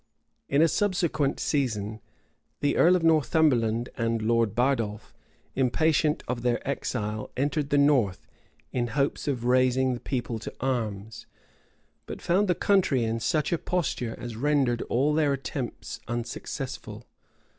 {1407.} In a subsequent season, the earl of Northumberland and Lord Bardolf, impatient of their exile, entered the north, in hopes of raising the people to arms; but found the country in such a posture as rendered all their attempts unsuccessful.